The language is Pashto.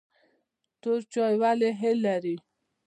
تور چای ولې هل لري؟